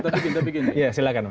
tapi begini silakan mas